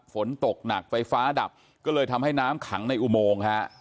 ฝนตกหนักไฟฟ้าดับก็เลยทำให้น้ำขังในอุโมงฮะ